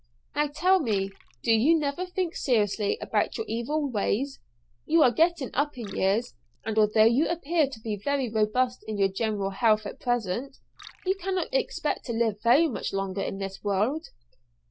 "Now, tell me; do you never think seriously about your evil ways? You are getting up in years, and although you appear to be very robust in your general health at present, you cannot expect to live very much longer in this world."